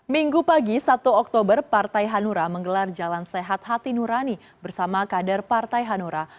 minggu pagi satu oktober partai hanura menggelar jalan sehat hati nurani bersama kader partai hanura